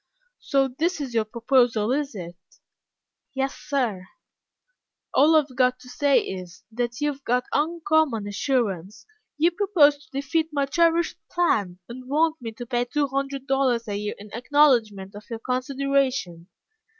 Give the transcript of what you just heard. "So this is your proposal, is it?" "Yes, sir." "All I have got to say is, that you have got uncommon assurance. You propose to defeat my cherished plan, and want me to pay two hundred dollars a year in acknowledgment of your consideration."